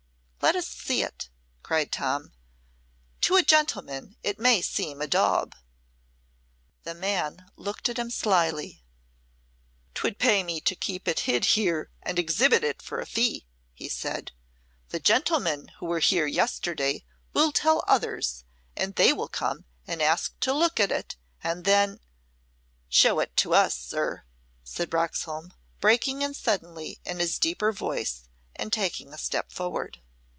"Let us see it," cried Tom. "To a gentleman it may seem a daub." The man looked at him slyly. "'Twould pay me to keep it hid here and exhibit it for a fee," he said. "The gentlemen who were here yesterday will tell others, and they will come and ask to look at it, and then " "Show it to us, sir," said Roxholm, breaking in suddenly in his deeper voice and taking a step forward.